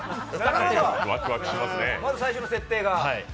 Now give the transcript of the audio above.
まず最初の設定が。